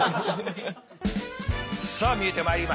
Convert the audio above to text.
さあ見えてまいりました。